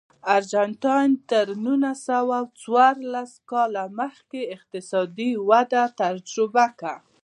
ارجنټاین تر نولس سوه څوارلس کال مخکې اقتصادي وده تجربه کړه.